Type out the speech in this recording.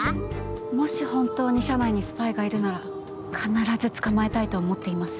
もし本当に社内にスパイがいるなら必ず捕まえたいと思っています。